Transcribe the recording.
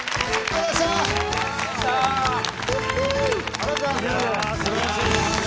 ありがとうございます。